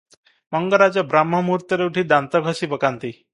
ମଙ୍ଗରାଜ ବ୍ରାହ୍ମମୁହୂର୍ତ୍ତରେ ଉଠି ଦାନ୍ତ ଘଷି ପକାନ୍ତି ।